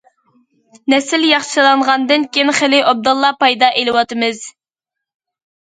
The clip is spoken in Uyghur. نەسىل ياخشىلانغاندىن كېيىن، خېلى ئوبدانلا پايدا ئېلىۋاتىمىز.